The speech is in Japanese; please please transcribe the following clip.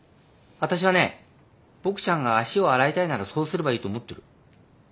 私はねボクちゃんが足を洗いたいならそうすればいいと思ってる。